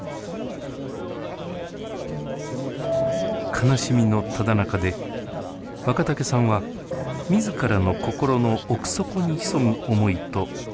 悲しみのただなかで若竹さんは自らの心の奥底に潜む思いと向き合い始めます。